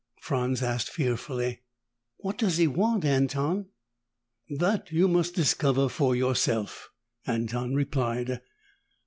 Franz asked fearfully, "What does he want, Anton?" "That you must discover for yourself," Anton replied.